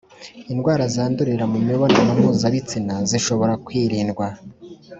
– Indwara zandurira mu mibonano mpuzabitsina zishobora kwirindwa